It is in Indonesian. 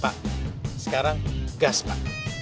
pak sekarang gas pak gas pol